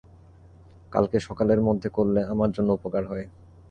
কালকে সকালের মধ্যে করলে আমার জন্য উপকার হয়।